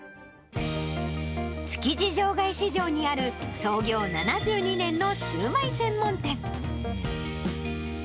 築地場外市場にある創業７２年のシューマイ専門店。